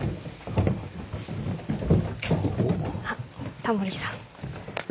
あタモリさん。